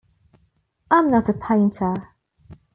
I'm not a painter.